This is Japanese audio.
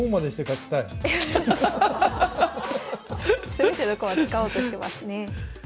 全ての駒使おうとしてますね。